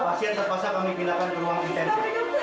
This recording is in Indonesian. pasien terpaksa kami pindahkan ke ruang intensif